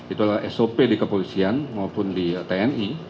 itulah sop di kepolisian maupun di tni